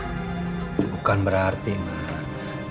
ini kan berarti mab